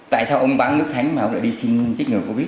tại sao ông bán nước thánh mà ông lại đi xin chích ngừa covid